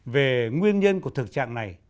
về nguyên nhân của thực trạng này